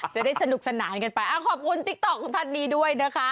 จะได้สนุกสนานกันไปขอบคุณติ๊กต๊อกของท่านนี้ด้วยนะคะ